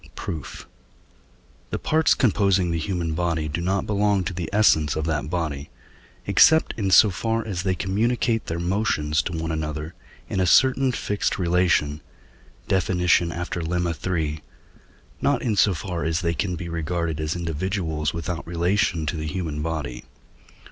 Proof. The parts composing the human body do not belong to the essence of that body, except in so far as they communicate their motions to one another in a certain fixed relation (Def. after Lemma iii.), not in so far as they can be regarded as individuals without relation to the human body.